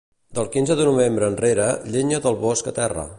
Del quinze de novembre enrere, llenya del bosc a terra.